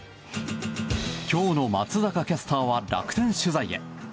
今日の松坂キャスターは楽天取材へ。